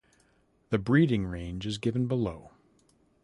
The breeding range is given below.